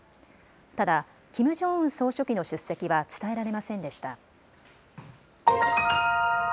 ただ、キム・ジョンウン総書記の出席は、伝えられませんでした。